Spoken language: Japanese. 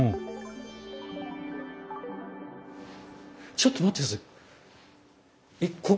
ちょっと待って下さい。